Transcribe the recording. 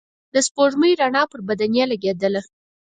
د سپوږمۍ رڼا پر بدنې لګېدله.